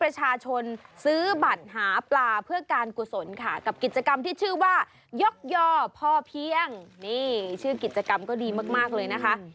ชื่อว่ายกย่อพ่อเพียงนี่ชื่อกิจกรรมก็ดีมากเลยนะคะ